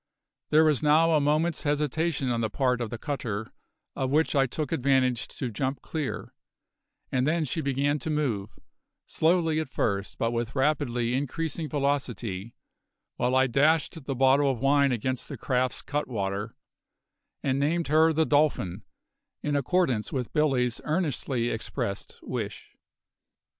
There was now a moment's hesitation on the part of the cutter, of which I took advantage to jump clear; and then she began to move, slowly at first but with rapidly increasing velocity, while I dashed the bottle of wine against the craft's cut water, and named her the Dolphin, in accordance with Billy's earnestly expressed wish.